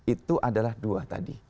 itu adalah dua tadi